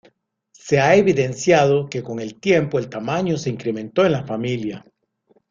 Se ha evidenciado que con el tiempo, el tamaño se incrementó en la familia.